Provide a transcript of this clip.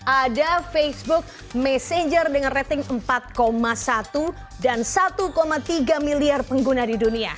ada facebook messenger dengan rating empat satu dan satu tiga miliar pengguna di dunia